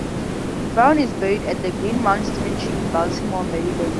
Brown is buried at the Greenmount Cemetery in Baltimore, Maryland.